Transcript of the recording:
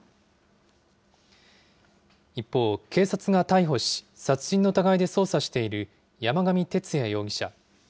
一方、警察が逮捕し、殺人の疑いで捜査している山上徹也容疑者。